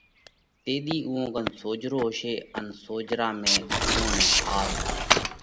تيۮِي اُوئون ڪنَ سوجھرو هوشي ان سوجھرا ۾ اُوئون نئہ ۿاس